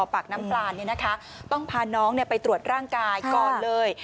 ปากน้ำปลาต้องพาน้องไปตรวจร่างกายก่อนเลย